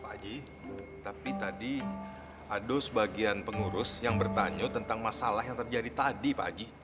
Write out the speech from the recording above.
pak haji tapi tadi ada sebagian pengurus yang bertanya tentang masalah yang terjadi tadi pak haji